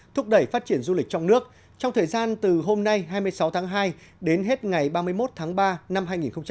thúc đẩy phát triển du lịch trong nước trong thời gian từ hôm nay hai mươi sáu tháng hai đến hết ngày ba mươi một tháng ba năm hai nghìn hai mươi